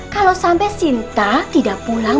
kalau sampai sinta tidak pulang